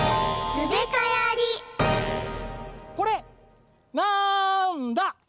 これなんだ！